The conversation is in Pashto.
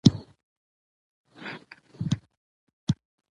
د غنمو د خرمن ځایونه شته.